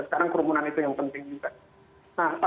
sekarang kerumunan itu yang penting juga